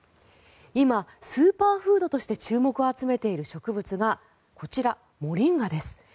今、スーパーフードとして注目を集めている植物がこちら、モリンガです。